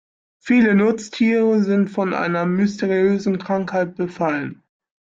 Viele Nutztiere sind von einer mysteriösen Krankheit befallen.